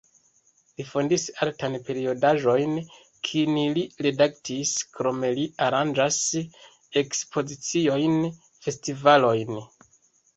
Li fondis artan periodaĵon, kin li redaktis, krome li aranĝas ekspoziciojn, festivalojn.